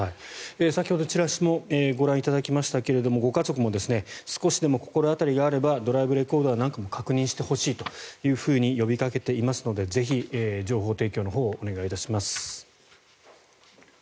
先ほどチラシもご覧いただきましたがご家族も少しでも心当たりがあればドライブレコーダーなんかも確認してほしいというふうに呼びかけていますのでぜひ、情報提供のほうをよろしくお願いします。